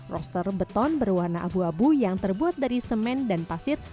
roster beton berwarna abu abu yang terbuat dari semen dan pasir